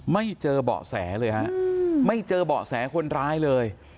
ไม่เจอเบาะแสเลยฮะไม่เจอเบาะแสคนร้ายเลย